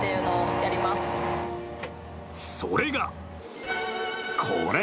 それが、これ。